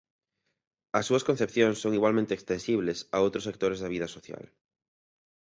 As súas concepcións son igualmente extensibles a outros sectores da vida social.